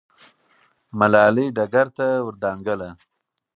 ملالۍ ډګر ته ور دانګله.